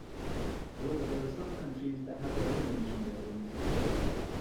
However, there are some countries that have their own mission buildings.